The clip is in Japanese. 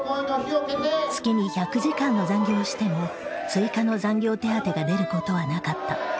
月に１００時間の残業をしても追加の残業手当が出ることはなかった。